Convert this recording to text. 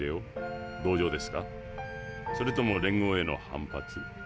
それとも連合への反発？